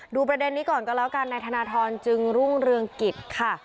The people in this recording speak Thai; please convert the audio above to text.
ประเด็นนี้ก่อนก็แล้วกันนายธนทรจึงรุ่งเรืองกิจค่ะ